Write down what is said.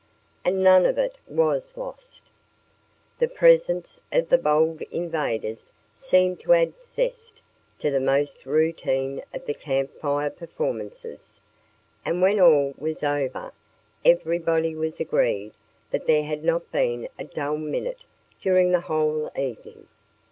And none of it was lost. The presence of the bold invaders seemed to add zest to the most routine of the Camp Fire performances, and when all was over everybody was agreed that there had not been a dull minute during the whole evening.